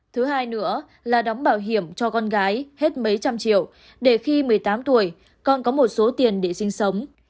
thứ hai nữa là đóng bảo hiểm cho con gái hết mấy trăm triệu để khi một mươi tám tuổi con có một số tiền để sinh sống